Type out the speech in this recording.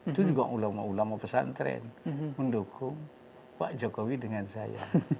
itu juga ulama ulama pesantren mendukung pak jokowi dengan saya